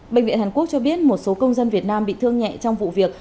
bệnh viện hàn quốc cho biết một số công dân việt nam bị thương nhẹ trong vụ việc